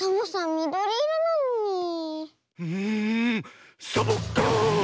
みどりいろなのに。んサボッカーン！